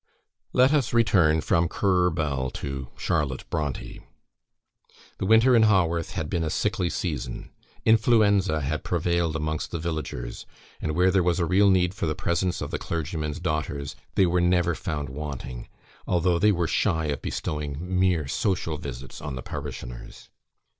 Let us return from Currer Bell to Charlotte Brontë. The winter in Haworth had been a sickly season. Influenza had prevailed amongst the villagers, and where there was a real need for the presence of the clergyman's daughters, they were never found wanting, although they were shy of bestowing mere social visits on the parishioners.